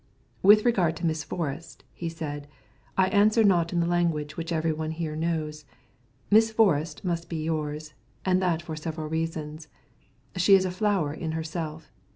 "With regard to Miss Forrest," he said, "I answer not in the language which every one here knows. Miss Forrest must be yours, and that for several reasons. She is a flower in herself.